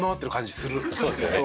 そうですよね？